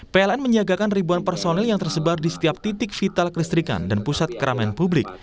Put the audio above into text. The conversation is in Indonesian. pln menyiagakan ribuan personil yang tersebar di setiap titik vital kelistrikan dan pusat keramaian publik